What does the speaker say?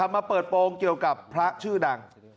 มาเปิดโปรงเกี่ยวกับพระชื่อดัง